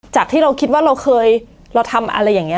ที่เราคิดว่าเราเคยเราทำอะไรอย่างนี้